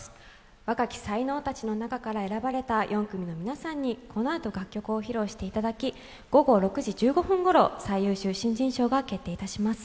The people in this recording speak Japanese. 若き才能たちの中から選ばれた４組の皆さんにこのあと楽曲を披露していただき、午後６時１５分ごろ最優秀新人賞が決定いたします。